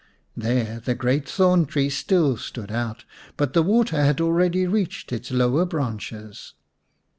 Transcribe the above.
There the great thorn tree still stood out, but the water had already reached its lower branches.